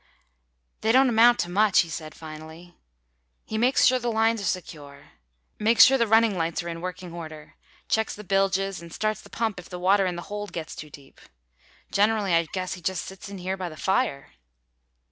"They don't amount to much," he said finally. "He makes sure the lines are secure. Makes sure the running lights are in working order. Checks the bilges and starts the pump if the water in the hold gets too deep. Generally I guess he just sits in here by the fire."